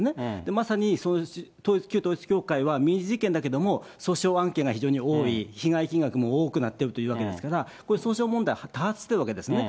まさに旧統一教会は民事事件だけども、訴訟案件が非常に多い、被害金額も多くなっているというわけですから、これ、訴訟問題、多発しているわけですね。